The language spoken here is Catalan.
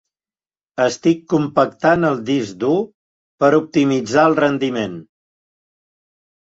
Estic compactant el disc dur per optimitzar el rendiment.